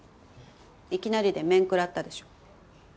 いきなりで面食らったでしょ。